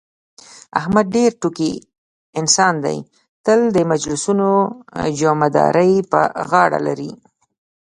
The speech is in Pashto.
احمد ډېر ټوکي انسان دی، تل د مجلسونو جمعه داري په غاړه لري.